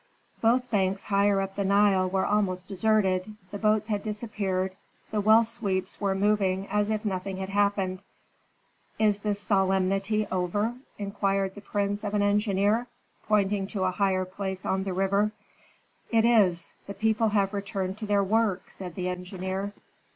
Both banks higher up the Nile were almost deserted, the boats had disappeared, the well sweeps were moving as if nothing had happened. "Is the solemnity over?" inquired the prince of an engineer, pointing to a higher place on the river. "It is. The people have returned to their work," said the engineer.